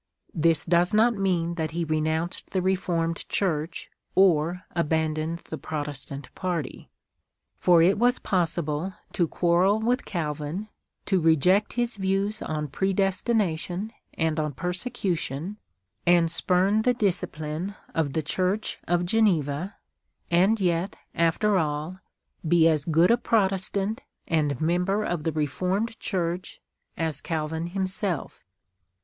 This does not mean that he renounced the Re formed Church, or abandoned the Protestant party. For it was possible to quarrel Avith Calvin, to reject his views on predestination and on persecution, and spurn the discipline of the Church of Geneva, and yet, after all, be as good a Protestant, and member of the Reformed Church, as Calvin himself" XIV TRANSLATOR S PREFACE.